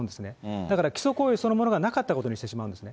だから起訴行為そのものがなかったことにしてしまうんですね。